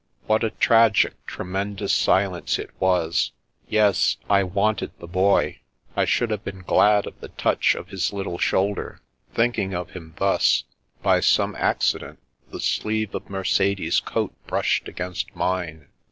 What a tragic, tremendous silence it was ! Yes, I wanted the Boy. I should have been glad of the touch of his little shoulder. Thinking of him thus, by some accident the sleeve of Mercedes's coat brushed against mine.